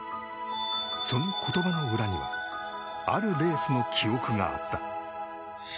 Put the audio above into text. その言葉の裏にはあるレースの記憶があった。